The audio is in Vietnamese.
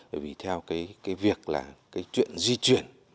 bởi vì theo cái việc là cái chuyện di chuyển